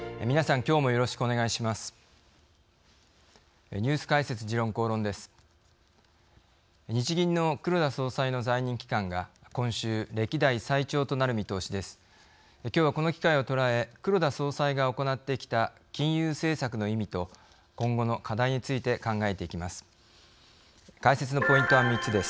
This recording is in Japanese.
きょうはこの機会を捉え黒田総裁が行ってきた金融政策の意味と今後の課題について考えていきます。